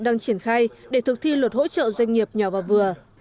đang triển khai để thực thi luật hỗ trợ doanh nghiệp nhỏ và vừa